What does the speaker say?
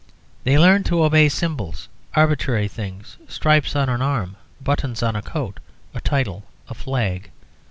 They learn to obey symbols, arbitrary things, stripes on an arm, buttons on a coat, a title, a flag.